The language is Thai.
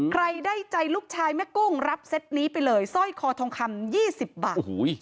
ใครได้ใจลูกชายแม่กุ้งรับเซ็ตนี้ไปเลยซ่อยคอทองคำยี่สิบบาทโอ้โห